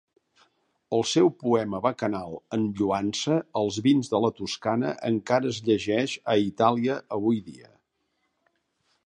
El seu poema bacanal en lloança als vins de la Toscana encara es llegeix a Itàlia avui dia.